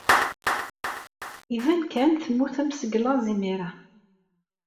Iban kan temmutem seg laẓ imir-a.